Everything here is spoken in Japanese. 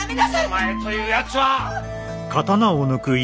お前というやつは！